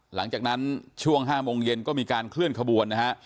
หลังจากนั้นช่วง๕โมงเย็นก็มีการเคลื่อนขบวนนะฮะ